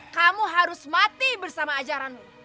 kamu harus mati bersama ajaranmu